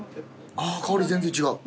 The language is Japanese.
あぁ香り全然違う。